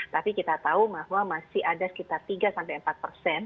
tapi kita tahu bahwa masih ada sekitar tiga sampai empat persen